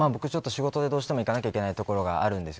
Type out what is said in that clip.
仕事でどうしても行かなきゃいけない所があるんです。